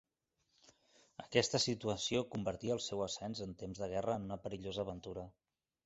Aquesta situació convertia el seu ascens en temps de guerra en una perillosa aventura.